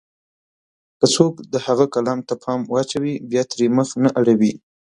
که څوک د هغه کلام ته پام واچوي، بيا ترې مخ نه اړوي.